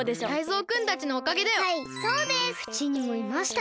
うちにもいました。